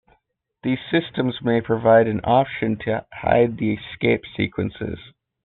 These systems may provide an option to hide the escape sequences.